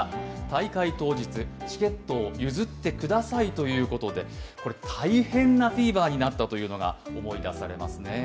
大会当日、チケットを譲ってくださいということで大変なフィーバーになったことが思い出されます。